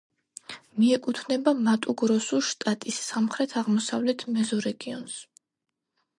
მიეკუთვნება მატუ-გროსუს შტატის სამხრეთ-აღმოსავლეთ მეზორეგიონს.